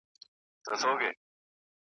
او د اعتیاد پړه یې .